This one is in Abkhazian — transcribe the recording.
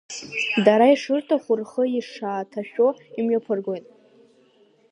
Дара ишырҭаху, рхы ишааҭашәо имҩаԥыргоит…